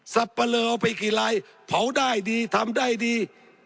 สับปะเลอเอาไปกี่รายเผาได้ดีทำได้ดี